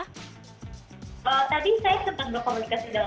tadi saya sempat berkomunikasi dengan penduduk komunikasi itu sendiri